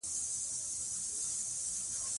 کویلیو په مادیت باور نه لري.